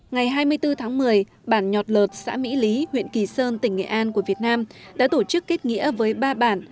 ngày hai mươi bốn tháng một mươi bản nhọt lợt xã mỹ lý huyện kỳ sơn tỉnh nghệ an của việt nam đã tổ chức kết nghĩa với ba bản